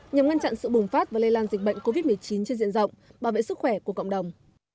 nhằm ngăn chặn sự bùng phát và lây lan dịch bệnh covid một mươi chín trên diện rộng bảo vệ sức khỏe của cộng đồng